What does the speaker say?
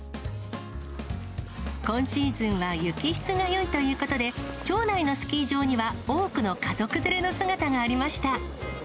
今シーズンは雪質がよいということで、町内のスキー場には多くの家族連れの姿がありました。